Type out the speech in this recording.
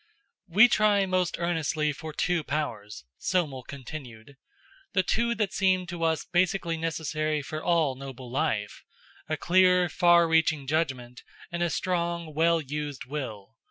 "We try most earnestly for two powers," Somel continued. "The two that seem to us basically necessary for all noble life: a clear, far reaching judgment, and a strong well used will.